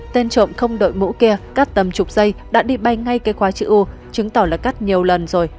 tên trộm không đội mũ kia cắt tầm chục giây đã đi bay ngay cây khoa chữ u chứng tỏ là cắt nhiều lần rồi